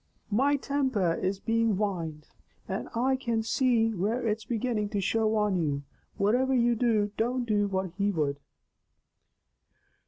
"My timper is being wined, and I can see where it's beginning to show on you. Whativer you do, don't do what he would."